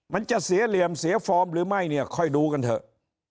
มันจะเสียเหลี่ยมเสียฟอร์มหรือไม่เนี่ยค่อยดูกันเถอะ